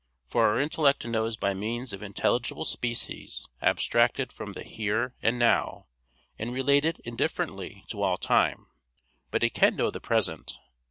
For our intellect knows by means of intelligible species abstracted from the "here" and "now," and related indifferently to all time. But it can know the present.